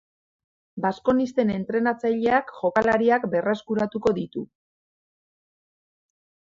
Baskonisten entrenatzaileak jokalariak berreskuratuko ditu.